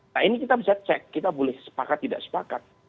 nah ini kita bisa cek kita boleh sepakat tidak sepakat